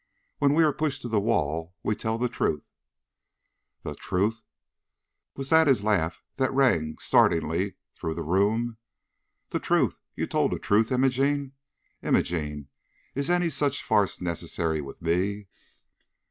When we are pushed to the wall we tell the truth." "The truth!" Was that his laugh that rang startlingly through the room? "The truth! You told the truth! Imogene, Imogene, is any such farce necessary with me?"